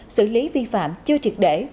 xử lý vi phạm chưa triệt để